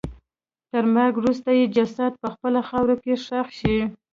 تر مرګ وروسته یې جسد په خپله خاوره کې ښخ شي.